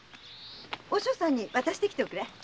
和尚さんに渡してきておくれ。